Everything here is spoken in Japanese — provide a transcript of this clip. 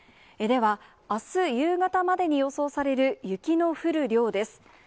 では、あす夕方までに予想される雪の降る量です。